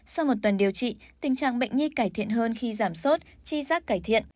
sau một tuần điều trị tình trạng bệnh nhi cải thiện hơn khi giảm sốt chi giác cải thiện